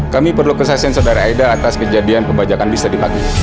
kami perlu kesaksian saudari aida atas kejadian pebajakan bis tadi pagi